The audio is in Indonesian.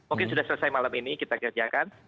mungkin sudah selesai malam ini kita kerjakan